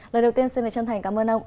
lời đầu tiên xin được chân thành cảm ơn ông